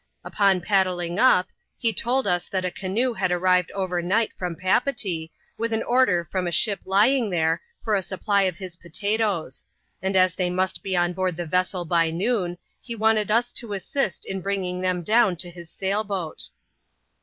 Upon paddling up, he told us that a canoe had arrived over night, from Papeetee, with an order from a ship lying there, for a supply of his potatoes ; and as they must be on board the vessel by noon, he wanted us to assist in bringing them down to his sail boat.